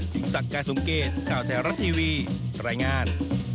จึงสักกายสงเกตข่าวแท้รัฐทีวีแรงงาน